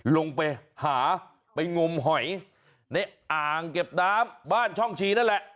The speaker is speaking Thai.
ลงไปหาไปงมหอยในอ่างเก็บน้ำบ้านช่องชีนั่นแหละ